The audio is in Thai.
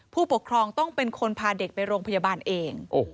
ผู้ปกครองต้องเป็นคนพาเด็กไปโรงพยาบาลเอง